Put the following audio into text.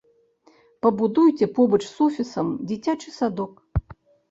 Пабудуйце побач з офісам дзіцячы садок.